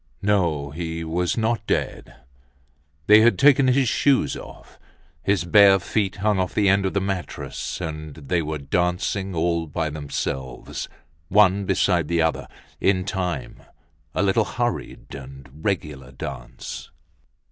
No, he was not dead. They had taken his shoes off. His bare feet hung off the end of the mattress and they were dancing all by themselves, one beside the other, in time, a little hurried and regular dance.